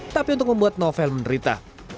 tapi untuk membuat novel menderita